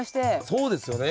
そうですよね。